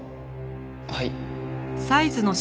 はい？